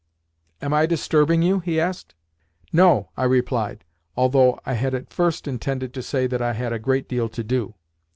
"Am I disturbing you?" he asked. "No," I replied, although I had at first intended to say that I had a great deal to do.